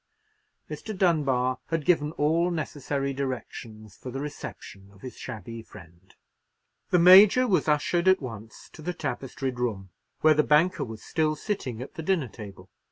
Mr. Dunbar had given all necessary directions for the reception of his shabby friend. The Major was ushered at once to the tapestried room, where the banker was still sitting at the dinner table.